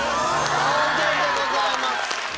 同点でございます。